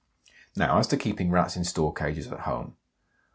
Now as to keeping Rats in store cages at home.